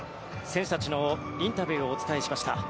選手たちのインタビューをお伝えしました。